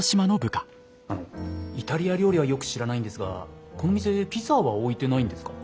あのイタリア料理はよく知らないんですがこの店ピザは置いてないんですか？